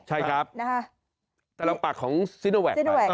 ใช่ครับแต่เราปากของซิโนแวค